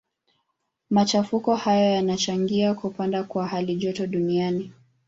Machafuko hayo yanachangia kupanda kwa halijoto duniani.